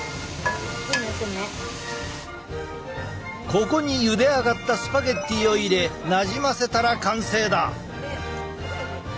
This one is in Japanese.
ここにゆであがったスパゲッティを入れなじませたら完成だ！